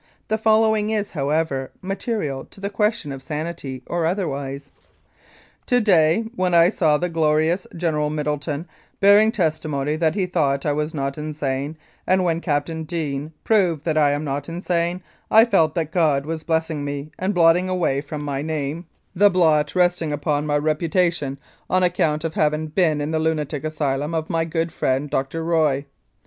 The following is, however, material to the question of sanity or otherwise :" To day when I saw the glorious General Middleton bearing testimony that he thought I was not insane, and when Captain Deane proved that I am not insane, I felt that God was blessing me and blotting away from my name 223 Mounted Police Life in Canada the blot resting" upon my reputation on account of having been in the lunatic asylum of my good friend Dr. Roy.